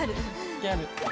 ギャル。